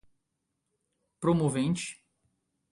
promovente